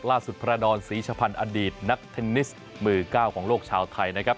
พระดอนศรีชะพันธ์อดีตนักเทนนิสมือ๙ของโลกชาวไทยนะครับ